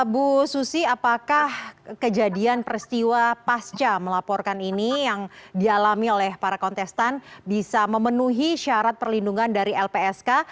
bu susi apakah kejadian peristiwa pasca melaporkan ini yang dialami oleh para kontestan bisa memenuhi syarat perlindungan dari lpsk